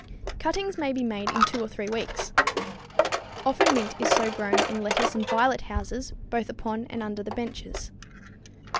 Cuttings may be made in two or three weeks. Often mint is so grown in lettuce and violet houses both upon and under the benches.